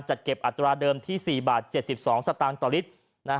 จัดเก็บอัตราเดิมที่๔บาท๗๒สตางค์ต่อลิตร